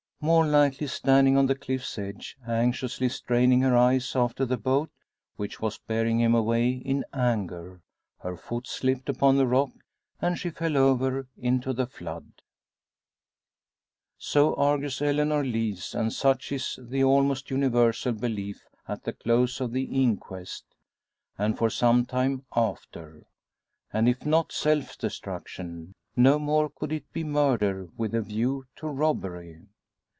More likely standing on the cliff's edge, anxiously straining her eyes after the boat which was bearing him away in anger, her foot slipped upon the rock, and she fell over into the flood. So argues Eleanor Lees, and such is the almost universal belief at the close of the inquest, and for some time after. And if not self destruction, no more could it be murder with a view to robbery.